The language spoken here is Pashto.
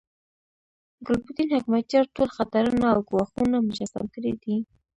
ګلبدین حکمتیار ټول خطرونه او ګواښونه مجسم کړي دي.